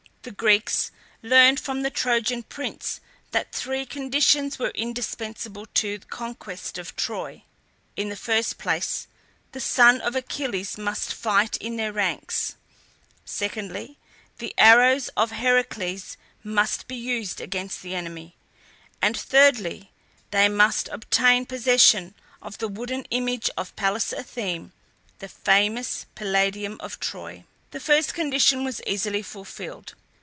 The Greeks learned from the Trojan prince that three conditions were indispensable to the conquest of Troy: In the first place the son of Achilles must fight in their ranks; secondly, the arrows of Heracles must be used against the enemy; and thirdly, they must obtain possession of the wooden image of Pallas Athene, the famous Palladium of Troy. The first condition was easily fulfilled.